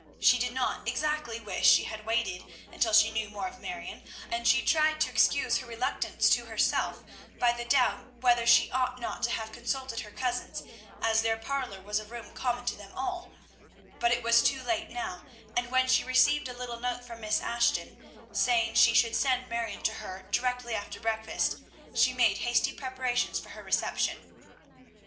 She did not exactly wish she had waited until she knew more of Marion, and she tried to excuse her reluctance to herself by the doubt whether she ought not to have consulted her cousins, as their parlor was a room common to them all; but it was too late now, and when she received a little note from Miss Ashton, saying she should send Marion to her directly after breakfast, she made hasty preparations for her reception.